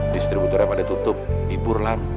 distributernya pada tutup hibur lam